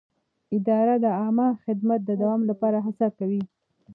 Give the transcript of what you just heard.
اداره د عامه خدمت د دوام لپاره هڅه کوي.